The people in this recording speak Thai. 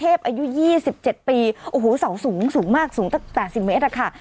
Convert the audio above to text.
อายุ๒๗ปีโอ้โหเสาสูงสูงมากสูงตั้ง๘๐เมตรอะค่ะ